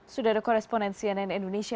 sudah ada koresponen cnn indonesia